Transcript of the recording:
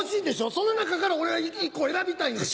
その中から俺が１個選びたいんですよ。